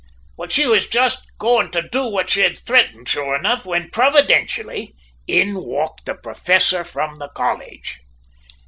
"She was jist going to do what she had threatened, sure enough whin, providentially, in walked the professor from the college.